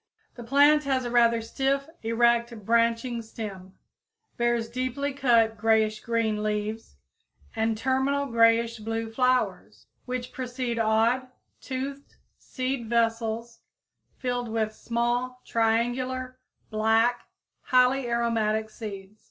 The plant has a rather stiff, erect, branching stem, bears deeply cut grayish green leaves and terminal grayish blue flowers, which precede odd, toothed, seed vessels filled with small, triangular, black, highly aromatic seeds.